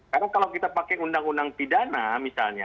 karena kalau kita pakai undang undang pidana misalnya